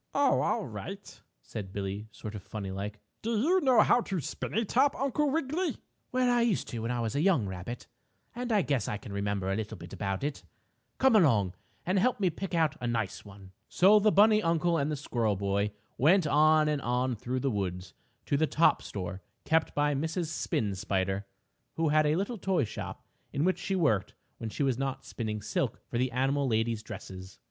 "Oh, all right," said Billie, sort of funny like. "Do you know how to spin a top, Uncle Wiggily?" "Well, I used to when I was a young rabbit, and I guess I can remember a little about it. Come along and help me pick out a nice one." So the bunny uncle and the squirrel boy went on and on through the woods to the top store kept by Mrs. Spin Spider, who had a little toy shop in which she worked when she was not spinning silk for the animal ladies' dresses.